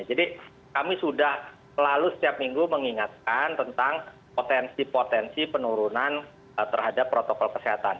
jadi kami sudah selalu setiap minggu mengingatkan tentang potensi potensi penurunan terhadap protokol kesehatan